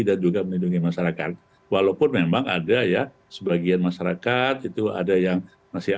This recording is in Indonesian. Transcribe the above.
dan juga melindungi masyarakat walaupun memang ada ya sebagian masyarakat itu ada yang masih